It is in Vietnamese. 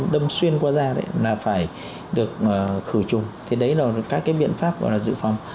đâm xuyên qua da là phải được khử trùng thì đấy là các cái biện pháp gọi là dự phòng